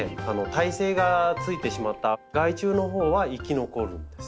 耐性がついてしまった害虫のほうは生き残るんです。